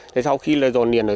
thế sau khi là dồn niền rồi